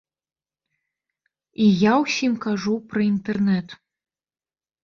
І я ўсім кажу пра інтэрнэт.